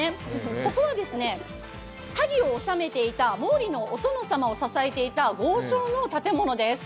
ここは萩を治めていた毛利のお殿様を支えていた豪商の屋敷です。